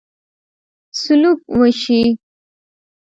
سلوک وشي.